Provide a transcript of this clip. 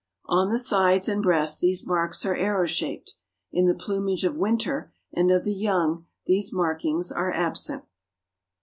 On the sides and breast these marks are arrow shaped. In the plumage of winter and of the young these markings are absent.